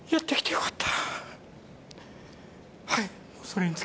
よかった！